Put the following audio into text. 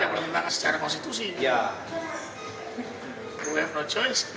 tapi tidak pernah ditentang secara konstitusi